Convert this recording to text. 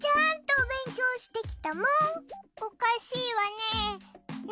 おかしいわね。